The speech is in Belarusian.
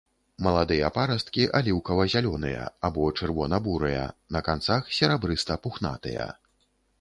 Маладыя парасткі аліўкава-зялёныя або чырвона-бурыя, на канцах серабрыста-пухнатыя.